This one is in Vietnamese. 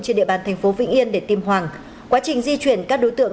trên địa bàn thành phố vĩnh yên để tìm hoàng quá trình di chuyển các đối tượng